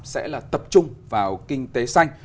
sẽ là tập trung vào kinh tế xanh